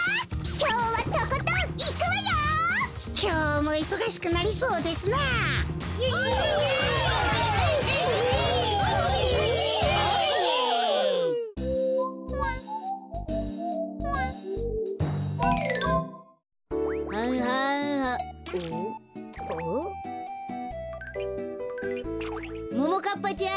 ももかっぱちゃん。